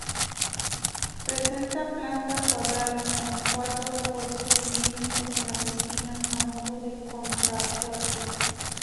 Presenta planta cuadrada con cuatro refuerzos cilíndricos en las esquinas, a modo de contrafuertes.